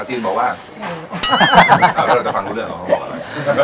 จีนบอกว่าไม่รู้อ่าแล้วเดี๋ยวจะฟังรู้เรื่องเหรอเขาบอกว่าอะไร